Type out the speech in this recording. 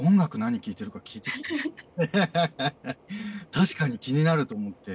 確かに気になると思って。